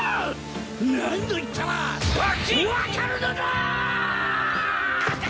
何度言ったら分かるのだーっ！